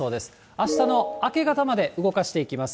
あしたの明け方まで動かしていきます。